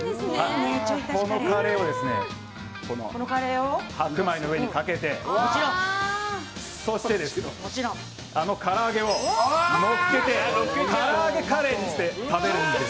このカレーを白米の上にかけてそして、あの唐揚げをのっけて唐揚げカレーにして食べるんです。